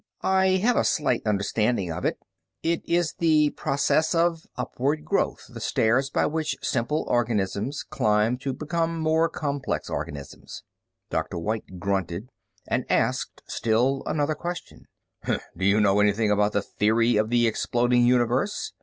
"I have a slight understanding of it. It is the process of upward growth, the stairs by which simple organisms climb to become more complex organisms." Dr. White grunted and asked still another question: "Do you know anything about the theory of the exploding universe?